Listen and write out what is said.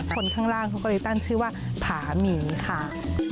คนข้างล่างเขาก็เลยตั้งชื่อว่าผาหมีค่ะ